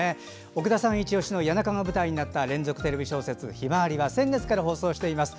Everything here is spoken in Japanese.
奥田さんいちオシの谷中が舞台になった連続テレビ小説「ひまわり」は先月から放送しています。